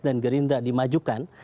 dan greenress dimajukan